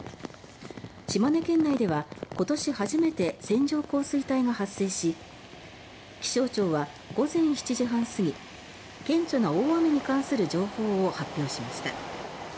島根県内では今年初めて線状降水帯が発生し気象庁は午前７時半過ぎ顕著な大雨に関する情報を発表しました。